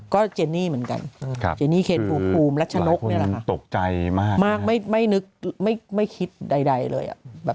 ก็เจนนี่เหมือนกันจีนนี่เขยฟูหมและช้านกนี้นะคะมากไม่คิดใดเลย